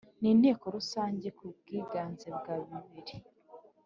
n Inteko Rusange ku bwiganze bwa bibiri